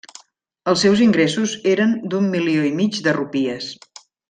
Els seus ingressos eren d'un milió i mig de rupies.